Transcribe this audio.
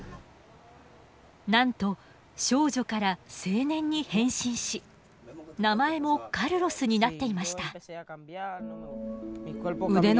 なんと少女から青年に変身し名前もカルロスになっていました。